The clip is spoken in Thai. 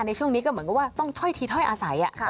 ในช่วงนี้ก็เหมือนกับว่าต้องถ้อยทีถ้อยอาศัย